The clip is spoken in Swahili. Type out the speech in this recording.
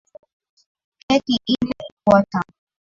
Keki ile ilikuwa tamu.